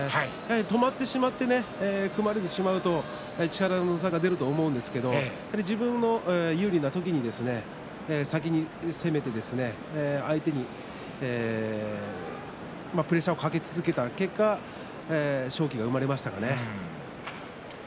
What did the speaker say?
止まってしまって組まれてしまうと力の差が出ると思うんですけど自分の有利な時に先に攻めて相手にプレッシャーをかけ続けた結果勝機が生まれましたね。